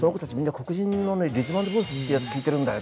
黒人のリズムアンドブルースってやつ聴いてるんだよ。